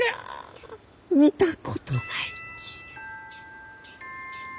見たことないき。